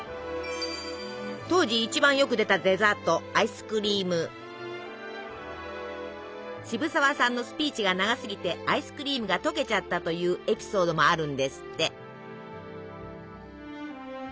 当時一番よく出たデザート渋沢さんのスピーチが長すぎてアイスクリームが溶けちゃったというエピソードもあるんですって。